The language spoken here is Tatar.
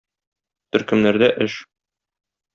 Төркемнәрдә эш.